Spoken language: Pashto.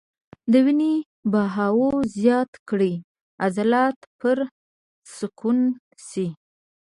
د وينې بهاو زيات کړي عضلات پرسکونه شي -